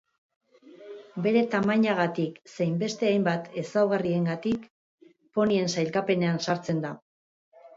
Bere tamainagatik zein beste hainbat ezaugarriengatik ponien sailkapenean sartzen da.